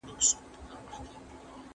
که صادرات زیات سي ملي شتمني به لوړه سي.